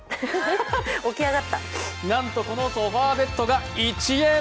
なんとこのソファーベッドが１円。